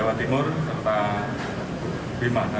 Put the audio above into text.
jawa timur serta bima